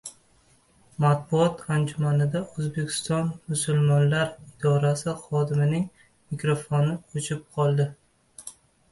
Matbuot anjumanida O‘zbekiston musulmonlari idorasi xodimining mikrofoni o‘chib qoldi